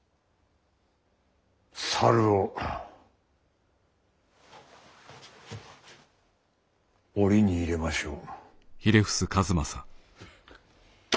猿を檻に入れましょう。